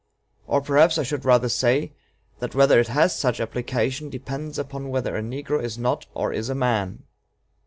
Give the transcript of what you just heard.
Or perhaps I should rather say, that whether it has such application depends upon whether a negro is not or is a man.